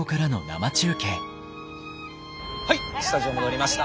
はいスタジオ戻りました。